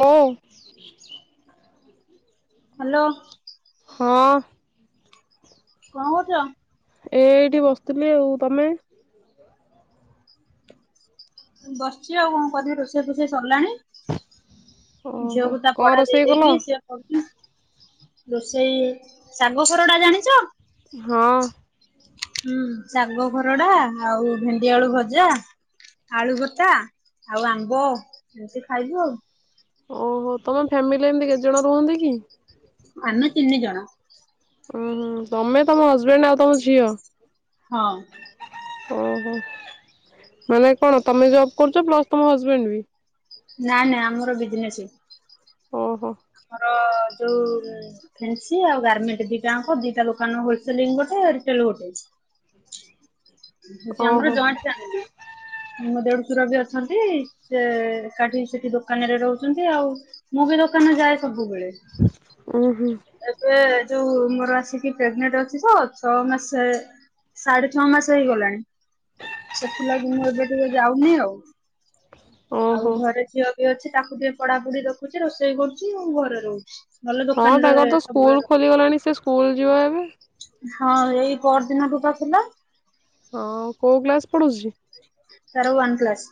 ହଁ ହାଲୋ ହଁ କଣ କରୁଛ? ଏ ଏଇଠି ବସିଥିଲି ଆଉ ତମେ ବସିଛି ଆଉ କଣ କରିବି ରୋଷେଇ ଫୋଷେଇ ସରିଲାଣି। ଓହୋ ଝିଅକୁ ତା କଣ ପଢା ଦେଇ ରୋଷେଇ କଲ? ଦେଇକି ସିଏ ପଢୁଛି। ରୋଷେଇ ଶାଗ ପରଟା ଜାଣିଛ? ହଁ। ହୁଁ ଶାଙ୍ଗ ପରଡା, ଆଉ ଭେଣ୍ଡିଆଳୁ ଭଜା, ଆଳୁ ଭତା, ଆଉ ଆମ୍ବ ଏମିତି ଖାଇବୁ ଆଉ। ଓହୋ ତମେ ଫ୍ୟାମିଲି ଏମତି କେତେ ଜଣ ରୁହନ୍ତି କି? ଆମେ ତିନି ଜଣ। ଉୁଁ ହୁଁ ତମେ, ତମ ହଜବେଣ୍ଡ, ଆଉ ତମ ଝିଅ। ହଁ। ଓହୋ ମାନେ କଣ ତମେ ଜବ୍ କରୁଛ ପ୍ଲସ ତମ ହଜବେଣ୍ଡ ବି। ନା ନାଇଁ ଆମର ବିଜନେସ। ଓହୋ ହଁ। ଯୋଉ ଫେନ୍ସି ଆଉ ଗାରମେଣ୍ଟ୍ ଦିଟାଙ୍କ ଦିଟା ଦୋକାନ, ହୋଲସେଲ୍ ଗୋଟେ ରିଟେଲ୍ ଗୋଟେ। ଆମର ଓହୋ ଜଏଣ୍ଟ ଫ୍ୟାମିଲି। ମୋ ଦେଢ ସୁର ବି [unintelligible] ସେ କାଠି ସେ ସେ ଦୋକାନରେ ରହୁଛନ୍ତି। ଆଉ ମୁଁ ବି ଦୋକାନ ଯାଏ। ସବୁବେଳେ ଉଁ ହୁଁ ଏବେ ଯୋଉ ମୋର ଆସିକି ପ୍ରେଗନେଣ୍ଟ ଅଛି ତ, ଛଅ ମାସେ ସାଢେ ଛଅ ମାସ ହେଇଗଲାଣି। ସେଥିଲାଗି ମୁଁ ଏବେ ଟିକେ ଯାଉନି ଆଉ। ଆଉ ଓହୋ ଘରେ ଝିଅ ବି ଅଛି। ତାଙ୍କୁ ଟିକେ ପଢା ପଡିି ଦେଖୁଚି, ରୋଷେଇ କରୁଛି, ଆଉ ଘରେ ରହୁଛି। ଭଲ ଦୋକାନ ଅଙ୍କର ତ ସ୍କୁଲ ଖୋଲିଗଲାଣି ସେ ସ୍କୁଲ ଯିବ ଏବେ ହଁ ଏଇ ପରଦିନ ଠୁ ବା ଥିଲା। ହୋଉ କୋଉ କ୍ଲାସ ପଢୁଛି? ତାର ୱାନ କ୍ଲାସ।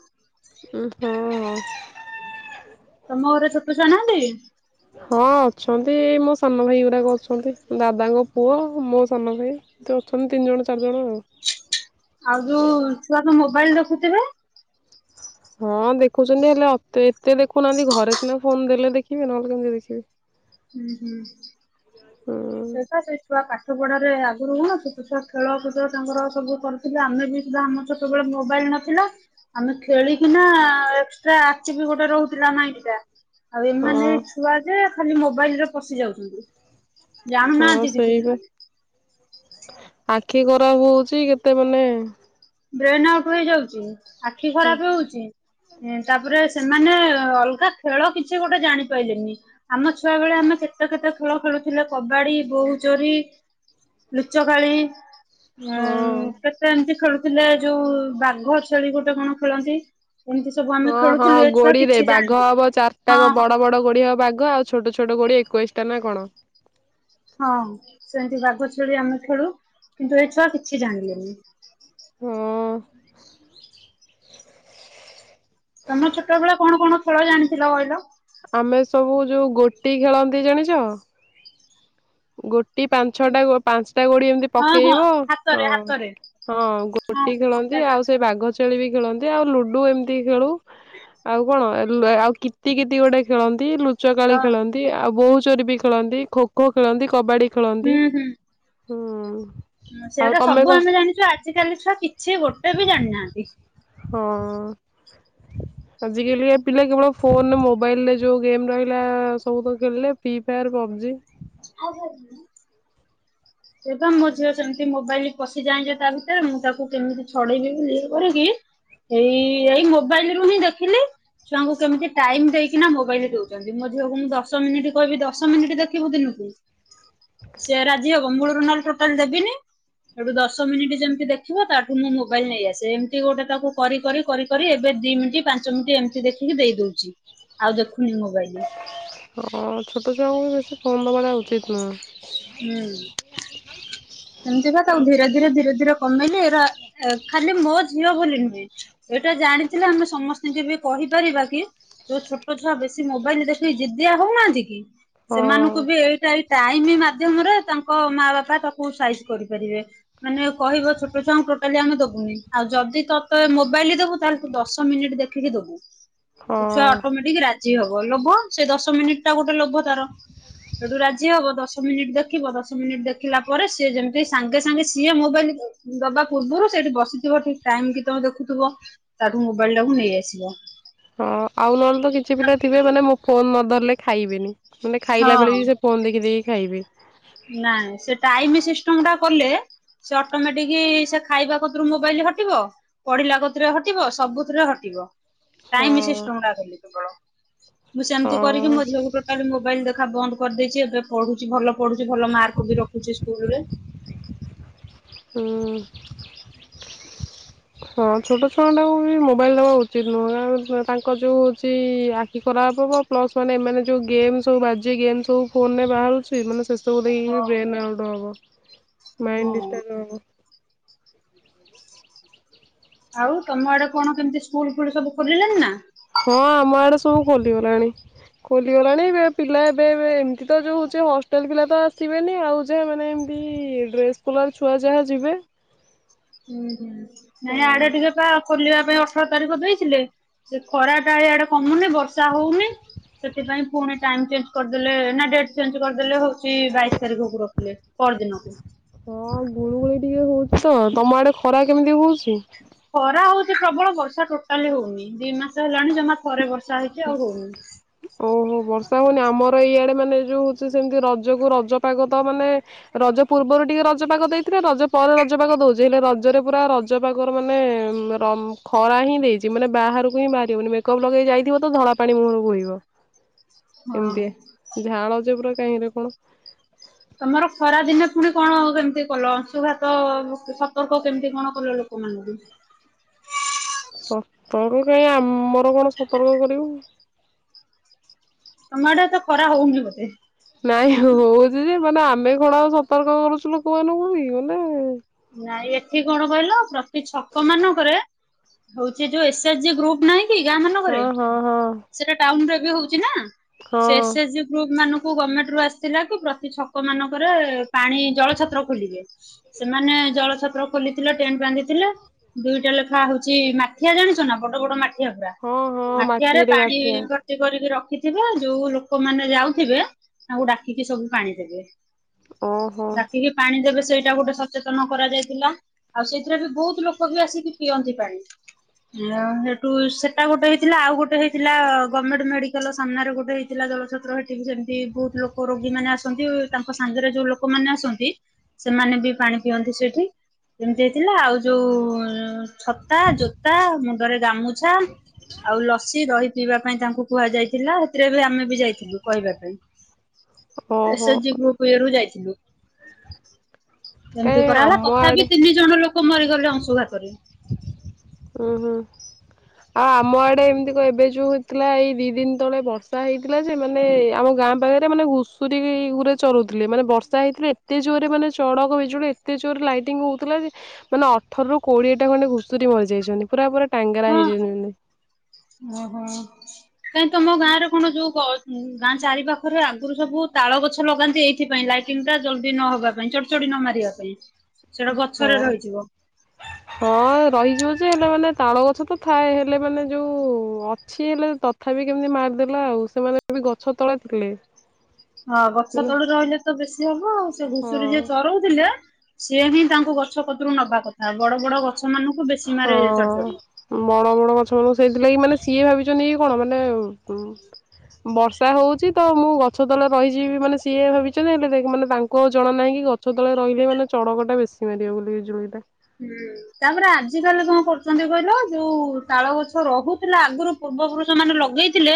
ଉ ହୁଁ ମୋର ଛୋଟ ଛୁଆ ନାହାନ୍ତି। ହଁ ଅଛନ୍ତି, ଏ ମୋ ସାନ ଭାଇ ଗୁଡାକ ଅଛନ୍ତି। ଦାଦାଙ୍କ ପୁଅ ମୋ ସାନ ଭାଇ ଏମିତି ଅଛନ୍ତି ତିନି ଜଣ ଚାରି ଜଣ ଆଉ। ଆଉ ଯୋଉ ଛୁଆ ତ ମୋବାଇଲ ରଖୁଥିବେ। ହଁ ଦେଖୁଛନ୍ତି ହେଲେତେ ଏତେ ଦେଖୁନାହାନ୍ତି ଘରେ ସିନା ଫୋନ ଦେଲେ ଦେଖିବି ନହେଲେ କେମିତି ଦେଖିବେ? ହୁଁ ସେଇଟା ସେଇ ଛୁଆ ପାଠ ପଢାରେ ଆଗରୁ ନା ଛୁଆ ଖେଳ କୁଦ ତାଙ୍କର ସବୁ କରିୁଥିଲେ ଆମେ ବି ହେଲେ ଆମ ଛୋଟବେଳେ ମୋବାଇଲ ନ ଆମେ ଖେଳିକିନା ଏକ୍ସଟ୍ରା ଆଖି ବି ଗୋଟେ ରହୁଥିଲା ନାଇଁକିଟା ଆଉ ଏମାନେ ହଁ ଛୁଆ ଯେ ଖାଲି ମୋବାଇଲରେ ପଶି ଯାଉଛନ୍ତି। ଜାଣୁ ହଁ ନାହାନ୍ତି କିଛି ସେଇବା ସେମାନେ ଆଖି ଖରାପ ହଉଚି କେତେ ମାନେ?? ବ୍ରେନ ଆଉଟ୍ ହେଇଯାଉଛି। ଆଖି ହଁ। ଖରାପ ହଉଚି। ତାପରେ ସେମାନେ ଅଲଗା ଖେଳ କିଛି ଗୋଟେ ଜାଣିପାଇଲେନି ଆମ ଛୁଆ ବେଳେ ଆମେ କେତେ କେତେ ଖେଳ ଖେଳୁଥିଲେ କବାଡି, ବୋହୁ ଚୋରି, ଲୁଚ କାଳି। ଆଉ କେତ ଏମ୍ ଥିଲେ ଯୋଉ ବାଘ ଛେଳି ଗୋଟେ କଣ ଖେଳନ୍ତି। ଏମିତି ସବୁ ଆମେ ହଁ ହଁ ଖେଳୁଥିଲୁ ଏ ଛୁଆ ଗୋଡି ରେ କିଛି ବାଘ ଜାଣିବେନି ହବ ଚାରିଟା ହଁ ବଡ ହଁ। ବଡ ଗୋଡି ହବ ବାଘ ଆଉ ଛୋଟ ଛୋଟ ଛୋଟ କୋଡି ଏକୋଇଶି ଟା ନା କଣ? ହଁ ସେମିତି, ବାଘ ଛେଳି ଆମେ ଖେଳୁ କିନ୍ତୁ ଏ ଛୁଆ କିଛି ଜାଣିଲେନି। ହୁଁ ତମ ଛୋଟବେଳେ କଣ କଣ ଜାଣିଥିଲ କହିଲ? ଆମେ ସବୁ ଯୋଉ ଗୋଟି ଖେଳନ୍ତି ଜାଣିଚ? ଗୋ ଗୋଟି ପାଞ୍ଚଛଟା ପାଞ୍ଚଟା ଗୋଡି ଏମିତି ହଁ ହଁ ପକେଇବ ହଁ ହାତରେ ହାତରେ ହଁ ହଁ ଗୋଟି ସେଟା ଖେଳନ୍ତି ଆଉ ସେ ଜାଣିଚି। ବାଘ ଛେଳି ବି ଖେଳନ୍ତି ଆଉ ଲୁଡୁ ଏମିତି ଖେଳୁ। ଆଉ କଣ ଆଉ କୀତି ନାଁକିତି ଗୋଟେ ଖେଳନ୍ତି ଲୁ ଲୁଚକାଳି ହଁ ଖେଳନ୍ତି ଆଉ ବହୁ ଚୋରି ବି ଖେଳନ୍ତି ଖୋ ଖୋ। ଖେଳନ୍ତି କବାଡ଼ି। ହୁଁ ହୁଁ। ହୁଁ। ହଁ ଆଉ ସେଇଟା ତମେ ସବୁ କଣ ଆମେ ଜାଣିଚୁ ଆଜିିକାଲି ଛୁଆ କିଛି ଗୋଟେ ବି ଜାଣିନାହାନ୍ତି। ହଁ। ଆଜିକାଲି ପିଲା କେବଳ ଫୋନ ମୋବାଇଲରେ ଯୋଉ ଗେମ ରହିଲା ସବୁ ତ ଖେଳିଲେ ଫାୟାର ପବଜି। [inaudible] ଏବେ ମୋ ଝିଅ ସେମିତି ମୋବାଇଲ ପଶି ଯାଏଯେ ତା ଭିତରେ ମୁଁ ତାକୁ କେମିତି ଛଡେଇବି ବୋଲି ଇଏ କରିକି ଏଇ ଏଇ ମୋବାଇଲ ରୁ ହିଁ ଦେଖିଲି ଛୁଆଙ୍କୁ କେମିତି ଟାଇମ ଦେଇକିନା ମୋବାଇଲରେ ଦଉଛନ୍ତି ମୋ ଝିଅକୁ ମୁଁ ଦଶ ମିନିଟ କହିବି ଦଶ ମିନିଟ ଦେଖିବୁ ଦିନକୁ ସେ ରାଜି ହବ। ନହେଲେ ଟୋଟାଲ ଦେବିନି ସେଠୁ ଦଶ ମିନିଟ୍ ଯେମିତି ଦେଖିବ ତାଠୁ ମୁଁ ମୋବାଇଲ ନେଇ ଆସେ ଏମତି ଗୋଟେ ତାକୁ କରି କରି କରି କରି ଏବେ ଦି ମିନିଟ ପାଞ୍ଚ ମିନିଟ ଏମିତି ଦେଖିକି ଦେଇ ଦଉଛି ଆଉ ଦେଖ ହଁ ଛୋଟ ଛୋଟ ବେଶୀ ଫୋନ ଦବାଟା ଉଚିତ ନୁହେଁ। ହୁଁ ସେମିତିକା ତାକୁ ଧୀରେ ଧୀରେ ଧୀରେ ଧୀରେ କମେଇଲେ ଏରା ଖାଲି ମୋ ଝିଅ ବୋଲି ନୁହେଁ ଏଇଟା ଜାଣିଥିଲେ ଆମେ ସମସ୍ତିଙ୍କି ବି କହିପାରିବା କି ଯୋଉ ଛୋଟ ଛୁଆ ବେଶୀ ମୋବାଇଲର ଦେଖିକି ଜିଦିଆ ହଉନାହାନ୍ତି କି ହଁ ସେମାନଙ୍କୁ ବି ଏଇଟା ଟାଇମ ମା ମାଧ୍ୟମରେ ତାଙ୍କ ମା ବାପା ତାକୁ ସାଇଜ କରିପାରିବେ ମାନେ କହିବ ଛୋଟ ଛୁଆଙ୍କୁ ଟୋଟାଲି ଆମେ ଦବୁନି ଆଉ ଯଦି ତୋତେ ମୋବାଇଲ ଦେବୁ ତାହେଲେ ତୁ ଦଶ ମିନିଟ ଦେଖିକି ଦେବୁ। ସେ ଛୁଆ ହଁ। ଅଟୋମେଟିକ ରା ଲୋଭ ସେ ଦଶ ମିନିଟ୍ ଟା ଗୋଟେ ଲୋଭ ତାର। ସେଠୁ ରାଜି ହବତ ଦଶ ମିନିଟ ଦେଖିବ ଦଶ ମିନିଟ ଦେଖିଲା ପରେ ସିଏ ଯେମିତି ସାଙ୍ଗେ ସାଙ୍ଗେ ସିଏ ମୋବାଇଲ ଦବା ପୂର୍ବରୁ ସେଠି ବସିଥିବ ଠିକ ଟାଇମ କି ତେମେ ଦେଖୁଥିବ ତାଠୁ ମୋବାଇଲ ତମେ ନେଇ ଆସିବ। ହଁ ଆଉ ନହେ କିଛି ପିଲା ଥିବେ ମାନେ ମୁ ଫୋନ୍ ନ ଧରିଲେ ଖାଇବେନି। ମାନେ ଖାଇଲା ବେଳେ ହଁ ବି ସେ ଫୋନ ଦେଖି ଦେଖି ଖାଇବେ। ନାଇଁ ସେ ଟାଇମିସ୍ ସିଷ୍ଟମ ଟା କଲେ ସେ ଅଟୋମେଟିକ ସେ ଖାଇବା କତରୁ ମୋବାଇଲ ହଟିବ ପଢିଲା କତୁରେ ହଟିବ ସବୁଥିରେ ହଟିବ। ହଁ ଟାଇମି ସିଷ୍ଟମ୍ ଟା ଖାଲି କେବଳ ମୁଁ ସେମିତ କରିକି ହଁ। ମୋ ଝିଅକୁ ଟୋଟାଲ ମୋବାଇଲ ଦେ ଦେଖା ବନ୍ଦ କରିଦେଇଚି ଏବେ ପଢୁଛି ଭଲ ପଢୁଚି ଭଲ ମାର୍କ ବି ରଖୁଚି ସ୍କୁଲରେ। ହୁଁଉଁ ହଁ ଛୋଟ ଛୁଅଟାଙ୍କୁ ବି ମୋବାଇଲ୍ ଦବା ଉଚିତ ନୁହଁ କାରଣ ତାଙ୍କ ଯେଉ ହେଉଚି ଆଖି ଖରାପ ହବ ପ୍ଲସ୍ ମାନେ ଏମାନେ ଯେଉଁ ଗେମ୍ ସବୁ ବାଯ୍ୟ ଗେମ୍ ସବୁ ଫୋନ୍ ରେ ବାହାରୁଚି ମାନେ ଶେଷକୁ ଦେଇକିବି ହଁ ବେନ୍ ଆଉଟ୍ ହବ। ମାଇଣ୍ଡ ହଁ ଡିଷ୍ଟର୍ବ ହେବ। ଆଉ ତମ ଆଡେ କଣ କେମତି ସ୍କୁଲ ଫୁଲ ସବୁ ଖୋଲିଲାନଣି ନା? ହଁ ଆମ ଆଡେ ସ୍କୁ ସବୁ ଖୋଲିଗଲାଣି ଖୋଲିଗଲାଣି ଏବେ ପିଲା ଏବେଏବେ ଏମତି ତ ଯେଉ ହେଉଚି ହଷ୍ଟେଲ ପିଲା ତ ଆସିବେନି ଆଉ ଯା ମାନେ ଏମିତି ଡେ ସ୍କୋଲାର୍ ର ଛୁଆ ଯାହା ଯିବେ। ହୁଁ ହୁଁ। ନାଇଁ ଆଡ ହୁଁ ଟିକେ ପା ଖୋଲିବା ପାଇଁ ଅଠର ତାରିଖ ଦେଇଥିଲେ ସେ ଖରା ଟା ଏଇଆଡେ କମୁନି ବର୍ଷା ହଉନି ସେଥିପାଇଁ ପୁଣି ଟାଇମ ଚେଞ୍ଜ କରିଦେଲେ ନା ଡେଟ୍ ଚେଞ୍ଜ କରିଦେଲେ ହଉ ଚି ବାଇଶ ତାରିଖ କୁ ରଖିଲେ ପର ଦିନକୁ। ହଁ ଗୁଳୁଗୁଳି ଟିକେ ହଉଚି ତମ ଆଡେ ଖରା କେମିତି ହଉଚି? ଖରା ହଉଚି ପ୍ରବଳ ବର୍ଷା ଟୋଟାଲି ହଉନି ଦି ମାସ ହେଲାଣି ଜମା ଥରେ ବର୍ଷା ଚାହିକି ଆଉ ହଉନି । ଓହୋ ବର୍ଷା ହଉନି ଆମର ଏଇଆଡେ ମାନେ ଯୋଉ ହଉଚି ସେମତି ରଜକୁ ରଜପାଗ ତ ମାନେ ରଜ ପୂର୍ବରୁ ଟିକେ ରଜପାଗ ଦେଇଥିଲେ ରଜ ପରେ ରଜପାଗ ଦଉଚି ହେଲେ ରଜରେ ପୁରା ରଜ ପାଗର ମାନେ ରମ୍-ଖରା ହିଁ ଦେଇଚି ମାନେ ବାହାରକୁ ହିଁ ବାହାରି ହଉନି ମେକଅପ୍ ଲଗେଇ ଯାଇଥିବ ତ ତ ଧଳା ପାଣି ମୁହଁରୁ ବୋହିବ। ହଁ। ଏମତିଆ ଝାଳ ଯେ ପୁରା କାହିଁରେ କଣ। ତମର ଖରା ଦିନେ ପୁଣି କଣ କେମତି କଲ ଅଂଶୁଘାତଅ ସତର୍କ କେମତି କଣ କଲ ଲୋକମାନଙ୍କୁ? ସତର୍କ କାଇଁ ଆମର କଣ ସତର୍କ କରିବୁ। ତମ ଆଡେ ଏତେ ଖରା ହଉନି ବୋଧେ। ନାଇଁ ହଉଚି ଯେ ମାନେ ଆମେ କଣ ଆଉ ସତର୍କ କରୁଚୁ ଲୋକମାନଙ୍କୁ କି ମାନେଏ। ନାଇଁ ଏଠି କଣ କହିଲ ପ୍ରତି ଛକ ମାନଙ୍କରେ ହଉଚି ଯୋଉ ଏସ ଏଚଜିି ଗ୍ରୁପ ନାହିଁ କି ଗାଁ ହଁ ମାନଙ୍କରେ ହଁ ହଁ ସେଟା ଟାଉନରେ ପିହୁ। ଚି ନା ସେ ହଁ ଏସ୍ ଏଚଜି ଗ୍ରୁପ୍ ମାନଙ୍କୁ ତୁ ଗମେଣ୍ଟ ରୁ ଆସିତିଲା କି ପ୍ରତି ଛକ ମାନଙ୍କରେ ପାଣି ଜଳ ଛତ୍ର ଖୋଲିବେ । ସେମାନେ ଜଳ ଛତ୍ର ଖୋଲିଥିଲେ ଟେଣ୍ଟ ବାନ୍ଧିଥିଲେ ଦୁଇଟା ଲେଖା ହଉଛି ମାଠିଆ ଜାଣିଛ ନା ବଡ ବଡ ମା ଟି ମାିଆ ପା ହଁ ହଁ ମାଠିଆରେ ମାଟିରେ ପାଣି ମାଠିଆ ଭର୍ତି କରିକି ର କ କିଚିଵା ଯୋଉ ଲୋକମାନେ ଯାଉଥିବେ ତାଙ୍କୁ ଡାକିକି ସବୁ ପାଣି ଦେବେ। ଓହୋ ଡାକି କି ପାଣି ଦେବେ। ସେଇଟା ଗୋଟେ ଚେତନ କରାଯାଇଥିଲା ଆଉ ସେ ବି ବହୁତ ଲୋକ ବି ଆସିକି ପିଅନ୍ତି ପାଣି ଇଅ ସେଠୁ ସେଟା ଗୋଟେ ହେଇଥିଲା ଆଉ ଗୋଟେ ହେଇଥିଲା ଗଭର୍ଣ୍ଣମେଣ୍ଟ ମେଡିକାଲ ସାମ୍ନାରେ ଗୋଟେ ହେଇଥିଲା ଜଳଛତ୍ର ହେଠିକ ସେମିତି ବହୁତ ଲୋକ ରୋଗୀ ମାନେ ଆସନ୍ତି ତାଙ୍କ ସାଙ୍ଗରେ ଯୋଉ ଲୋକମାନେ ଆସନ୍ତି ସେମାନେ ବି ପାଣି ପିଅନ୍ତି ସେଠି ଏମିତି ଥିଲା ଆଉ ଯୋଉ ଛତା ଜୋତା ମୁଣ୍ଡରେ ଗାମୁଛା ଆଉ ଲସି ଦହି ପିଇବା ପାଇଁ ତାଙ୍କୁ କୁହାଯାଇଥିଲା । ଆମେ ବି ଯାଇଥିଲୁ କହିବା ପାଇଁ ଓହୋ ଏସେଜି ଗ୍ରୁପ ଇରୁ ଯାଇଥିଲୁ। ଏମତି କାଇଁ କରାଗଲା ଆମ ତଥାବି ଆଡେ ତିନି ଜଣ ଲୋକ । ମରିଗଲେ ଅଂଶୁଘାତ ରେ । ହଁ ଆଉ ଆମ ଆଡେ ଏମିତି କ ଏବେ ଯୋଉ ହେଇଥିଲା ଏଇ ଦି ଦିନ ତଳେ ବର୍ଷା ହେଇଥିଲା ଯେ ମାନେ ଆମ ଗାଁ ପାଖରେ ମାନେ ଘୁଷୁରୀରେ ଚରୁୁଥିଲେ ମାନେ ବର୍ଷା ହେଇଥିଲେ ଏତେ ଜୋରରେ ମାନେ ଚଡକ ବିଜୁଳି ଏତେ ଜୋରରେ ଲାଇଟିଙ୍ଗ ହଉଥିଲା ଯେ ମାନେ ଅଠରରୁ କୋଡିଏ ଟା ଖଣ୍ଡେ ଘୁଷୁରୀ ମରି ଯାଇଚ ନ୍ତି ପୁରା ପୁରି ଟାଙ୍ଗରା ହଁ। ହେଇଯାଉ ଚନ୍ତି। କାହିଁ ତ ମ ଗାଁ ରେ କଣ ଯୋଉ ଗାଁ ଚାରି ପାଖରେ ଆଗରୁ ସବୁ ତାଳ ଗଛ ଲଗାନ୍ତି ଏଇଥିପାଇ ଲାଇଟିଙ୍ଗ ଟା ଜଲଦି ନହବା ପାଇଁ ଚଡଚଡି ନ ମାରିବା ପାଇଁ। ସେଟା ହଁ ଗଛରେ ଅ ରହିଯିବ। ହଁ ରହିଯିବ । ଯେ ହେଲେ ମାନେ ତାଳ ଗଛ ତ ଥାଏ ହେଲେ ମାନେ ଯୋଉ ଅଛି ହେଲେ ତଥାପି ହଁ ଗଛ ମାନେ ତଳୁ ରହିଲେ ତ ବେଶୀ ହବ ଉ ସେ ହଁ ଘୁଷୁରୀ ଯିଏ ଚରଉଥିଲେ। ସିଏ ହିଁ ତାଙ୍କୁ ଗଛ କତରୁ ନବା । ଆ ବଡ ବଡ ଗଛ ମାନଙ୍କୁ ବେଶୀ ମାରେ ହଁ ଚଢଚଡି। ବଡ ବଡ ଗଛ ଅ ମୁ ସେଇଥିଲାଗି ମାନେ ସିଏ ଭାବିଛନ୍ତି କି କଣ ମାନେ ଉଁ ବର୍ଷା ହଉଛି ତ ମୁଁ ଗଛ ତଳେ ରହିଯିବି ମାନେ ସିଏ ଭାବିଛନ୍ତି ହେଲେ ଦେ ମାନେ ତାଙ୍କୁ ଉ ଜଣା ନାହିଁ କି ଗଛ ତଳେ ରହିଲେ ମାନେ ଚଡକ ଟା ବେଶୀ ମାରିବ ବୋଲି ବିଜୁଳି । ହୁଁ ତାପରେ ଆଜିକାଲି କଣ କରୁଛନ୍ତି କହିଲ ଯୋଉ ତାଳ ଗଛ ରହୁଥିଲା ଆଗରୁ ପୂର୍ବପୁରୁଷ ମାନେ ଲଗେଇଥିଲେ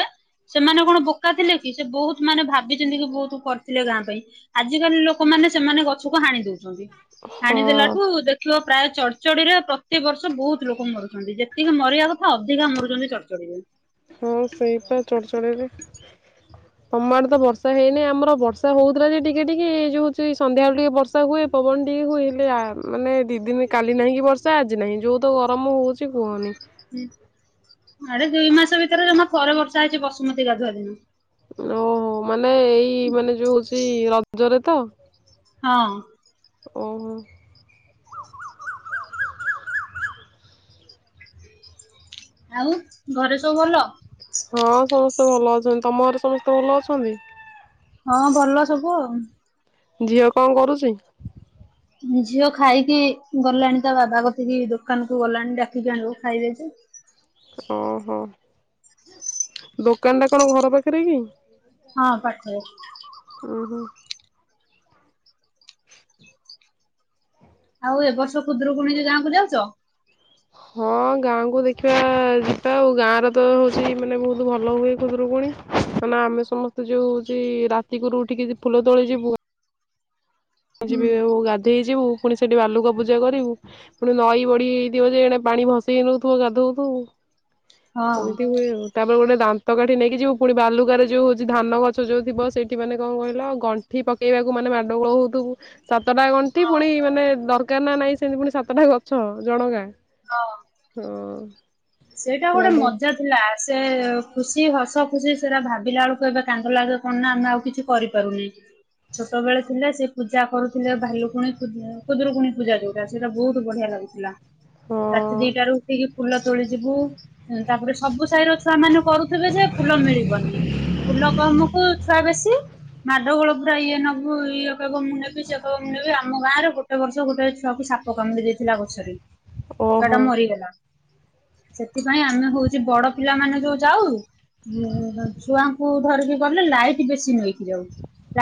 ସେମାନେ କଣ ବୋକା ଥିଲେ କି ସେ ବହୁତ ମାନେ ଭାବିଛନ୍ତି କି ବହୁତ କରିଥିଲେ ଗାଁ ପାଇଁ କି ଆଜିକାଲି ଲୋକମାନେ ସେମାନେ ଗଛକୁ ହାଣି ଦଉଛନ୍ତି। ହଁ ହାଣିଦେଲାଠୁ ଦେ ପ୍ରାୟ ଚଢଚଡିରେ ପ୍ରତିବର୍ଷ ବହୁତ ଲୋକ ମରୁଛନ୍ତି ଯେତିକି ମରିବା କଥା ଅଧିକା ମରୁଚନ୍ତି ଚଡଚଡିରେ। ହଁ ସେଇଟା ଚଡଚଡି ରେ ତମ ଆଡେ ତ ବର୍ଷା ହେଇନି ଆମର ବର୍ଷା ହଉଥିଲା ଯେ ଟିକେ ଟିକେ ଏଇ ଯୋଉ ହଉଛି ସନ୍ଧ୍ୟାବେଳ ଟିକେ ବର୍ଷା ହୁଏ ପବନ ଟିକେ ହୁଏ ହେଲେ ମାନେ ଦି ଦିନ କାଲି ନାହିଁ କି ବର୍ଷା ଆଜି ନାହିଁ ଯୋଉ ତ ଗରମ ହଉଚି କୁହନି । ହୁଁ ଆରେ ଦୁଇ ମାସ ଭିତରେ ଜମା ଥରେ ବର୍ଷା ହେଇଚି ବସୁମତୀ ଗାଧୁଆ ରୁ । ଲୋ ମା ନା ଏଇ ମାନେ ଯୋଉ । ଏଇ ରଜରେ ତ। ହଁ । ଓ ହୋ। ଆଉ ଘରେ ସବୁ ଭଲ । ହଁ ସମସ୍ତେ ଭଲ ଅଛନ୍ତି ତମ ଘରେ ସମସ୍ତେ ଭଲ ଅଛନ୍ତି। ହଁ ଭଲ ସବୁ ଆଉ। ଝିଅ କଣ କରୁଛି? ଝିଅ ଖାଇକି ଗଲାଣି ତା ବାବା କତିକି ଦୋକାନକୁୁ ଗଲାଣି ଡାକିକି ଆଣିବୁ ଖାଇବେ ଯେ ଓହୋ ଦୋକାନ ଟା କଣ ଘର ପାଖରେ କି? ହଁ ପାଖରେ। ଉୁଁ ଖାଲି ଆଉ ଏ ବର୍ଷ ଖୁଦୁରୁକୁଣୀରେ ଗାଁକୁ ଯାଉଛ? ହଁ ଗାଁକୁ ଦେଖିବା ଯିବା ଆଉ ଗାଁରେ ତ ହଉଛି ମାନେ ବହୁତ ଭଲ ହୁଏ ଖୁଦୁରୁକୁଣୀ ମାନେ ଆମେ ସମସ୍ତେ ଯୋଉ ହଉଛି ରାତିକିରୁ ଉଠିକି ଫୁଲ ତୋଳି ଯିବୁ ହୁଁ। ଯିବେ [unintelligible] ଗାଧେଇ ଯିବୁ ପୁଣି ସେଠି ବାଲୁକା ପୂଜା କରିବୁ ପୁଣି ନଈ ବଢି ହେଇଥିବ ଯେ ଏେ ପାଣି ଭସେଇ ହେଇ ନଉଥିବ ଗାଧଉଥିବୁ ହଁ ଏମିତି ହୁଏ ତାପରେ ଗୋଟେ ଦା ତକାଠି ନେଇକି ଯିବୁ ପୁଣି ବାଲୁକାରେ ଯୋଉ ହଉଛି ଧାନ ଗଛ ଯଉ ଥିବ ସେଇଠି ମାନେ କଣ କହିଲ ଗଣ୍ଠିପକେଇବାକୁ ମାନେ ମାଡ଼ଗୋଳ ହଉ [unintelligible] ସ ଟା ଗଣ୍ଠି ପୁଣି ମାନେ ଦରକାର ଙ୍କା ନା ନାଇଁ ସେମିତି ପୁଣି ସାତଟା ଗଛ ଜଣକା ହଁ। କା ହଁ ସେଇଟା ଗୋଟେ ମାଡ ମଜା ଥିଲା ସେ ଖୁସି ହସ ଖୁସି ସେଟା ଭାବିଲା ବେଳକୁ ଏବେ କାନ୍ଦ ଲାଗେ କଣ ନା ଆମେ ଆଉ କିଛି କରିପାରୁନେ ଛୋଟ ବେଳେ ଥିଲା ସେ ପୂଜା କରୁଥିଲେ ଭାଲୁକୁଣି ଖୁଦୁରୁକୁଣୀ ପୂଜା ଯୋଉଟା ସେଇଟା ବହୁତ ବଢି଼ଆ ଲାଗୁଥିଲା। ରାତି ହଁ। ଦିଟା ରୁ ଉଠିକି ଫୁଲ ତୋଳି ଯିବୁ ତାପରେ ସବୁ ସାହିର ଛୁଆ ମାନେ କରୁଥିବେ ଯେ ଫୁଲ ମିଳିବନି ଫୁଲ କମକୁ ଛୁଆ ବେଶୀ ମାଡ଼ଗୋଳ ପୁରା ଇଏ ନେବୁ ଇଏ କହିବ ମୁଁ ନେବି ସିଏ କହିବ ମୁଁ ନେବି ଆମ ଗାଁରେ ଗୋଟେ ବର୍ଷ ଗୋଟେ ଛୁଆକୁ ସାପ କାମୁଡି ଦେଇଥିଲା ଗଛରେ ଓହୋ ଆଟା ମରି ଗଲା। ସେଥିପାଇଁ ଆମେ ହଉଛି ବଡ ପିଲାମାନେ ଯୋଉ ଯାଉ ଛୁଆଙ୍କୁ ଧରିକି ଗଲେ ଲାଇଟ୍ ବେଶୀ ନେଇକି ଯାଉ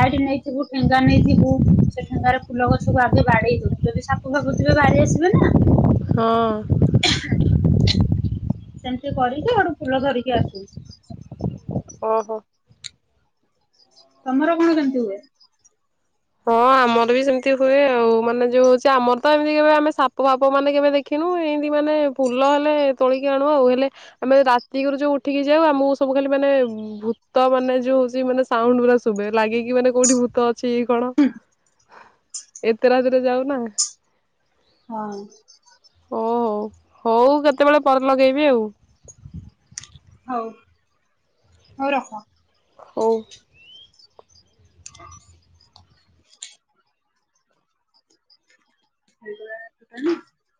ଲାଇଟ୍ ନେଇଥିବୁ ଠେଙ୍ଗା ନେଇଥିବୁ ସେ ଠେଙ୍ଗାରେ ଫୁଲ ଗଛକୁ ଆଗେ ବାଡେଇଦଉ ଯଦି ସାପ ଫାପ ଥିବେ ବାହାରି ଆସିବେ ନା। ହଁ ସେମିତି କରିକି ହେଠୁ ଫୁଲ ଧରିକି ଆସୁ। ଓହୋ ତମର କଣ କେମିତି ହୁଏ? ହଁ ଆମର ବି ସେମିତି ହୁଏ ଆଉ ମାନେ ଯୋଉ ହଉଛି ଆମର ତ ଏମିତି କେ ଆମେ ସାପ ଫାପ ମାନେ କେବେ ଦେଖିନୁ ଏମତି ମାନେ ଫୁଲ ହେଲେ ତୋଳିକି ଆଣୁ ଆଉ ହେଲେ ଆମେ ରାତିକିରୁ ଯୋଉ ଉଠିକି ଯାଉ ଆମକୁ ସବୁ ଖାଲି ମାନେ ଭୂତ ମାନେ ଯୋଉ ହଉଛି ମାନେ ସାଉଣ୍ଡ୍ ପୁରା ଶୁଭେ ଲାଗିକି ମାନେ କୋଉଠି ଭୂତ ଅଛି କଣ। ହୁଁ ଏତେ ରାତିରେ ଯାଉ ନା ହଁ ଓ ହଉ ହଉ କେତେବେଳେ ପରେ ଲଗେଇବି ଆଉ। ହଉ ହଉ ରଖ। ହଉ ଖାଲି [unintelligible]